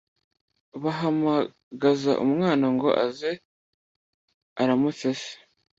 bahamagaza umwana ngo aze aramutse Se.